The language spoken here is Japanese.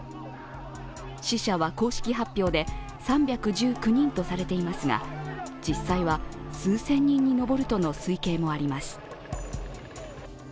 死者は公式発表で３１９人とされていますが実際は数千人に上るとの推計もあります。